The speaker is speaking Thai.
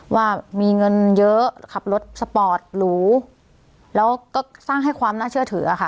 ว่ามีเงินเยอะขับรถสปอร์ตหรูแล้วก็สร้างให้ความน่าเชื่อถือค่ะ